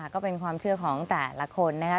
ก็เป็นความเชื่อของแต่ละคนนะครับ